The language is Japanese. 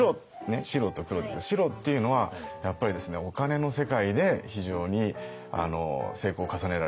白と黒ですが白っていうのはやっぱりですねお金の世界で非常に成功を重ねられてるというサインなんですよ。